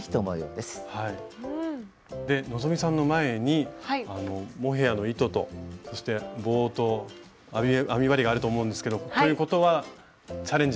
で希さんの前にモヘアの糸とそして棒と編み針があると思うんですけどということはチャレンジということですね。